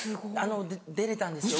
出れたんですよ。